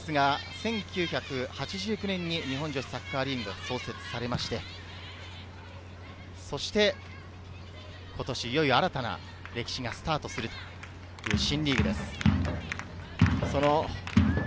１９８９年に日本女子サッカーリーグが創設されて、今年いよいよ新たな歴史がスタートする新リーグです。